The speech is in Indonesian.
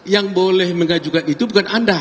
yang boleh mengajukan itu bukan anda